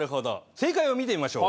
正解を見てみましょう。